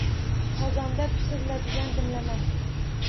– Qozonda pishiriladigan dimlama